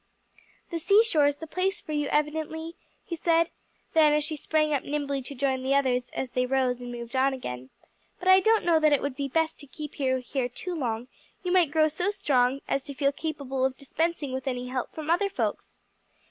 "The sea shore's the place for you evidently," he said; then as she sprang up nimbly to join the others as they rose and moved on again, "But I don't know that it would be best to keep you here too long; you might grow so strong as to feel capable of dispensing with any help from other folks."